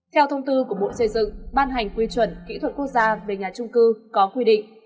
theo thông tư của bộ xây dựng ban hành quy chuẩn kỹ thuật quốc gia về nhà trung cư có quy định